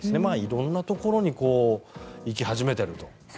色んなところに行き始めていると。